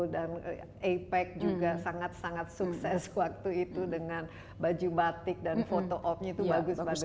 dan apec juga sangat sangat sukses waktu itu dengan baju batik dan foto off nya itu bagus bagus